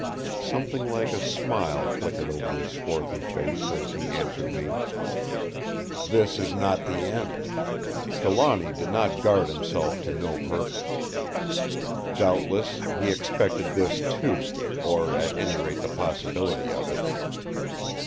Something like a smile flickered over his swarthy face as he answered me: "This is not the end! Trelawny did not guard himself to no purpose. Doubtless, he expected this too; or at any rate the possibility of it."